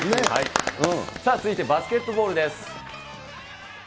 さあ、続いてバスケットボールです。